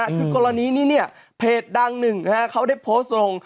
คือกรณีนี้เนี่ยเพจดังหนึ่งเขาได้โพสต์ลง